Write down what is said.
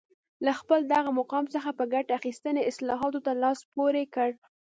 له خپل دغه مقام څخه په ګټې اخیستنې اصلاحاتو ته لاس پورې کړ